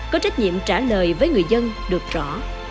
có trách nhiệm trả lời với người dân được rõ